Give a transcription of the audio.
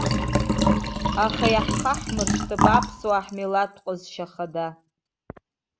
Аха иаҳхаҳмыршҭып аԥсуаа ҳмилаҭтә ҟазшьа хада.